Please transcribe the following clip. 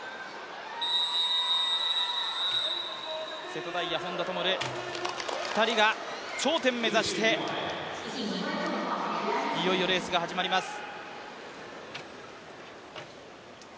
瀬戸大也、本多灯、２人が頂点目指して、いよいよレースが始まります。